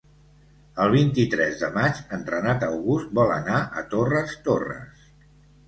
El vint-i-tres de maig en Renat August vol anar a Torres Torres.